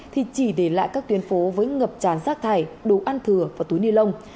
thì chỉ để lại các tuyến phố với ngập tràn rác thải đồ ăn thừa và túi ni lông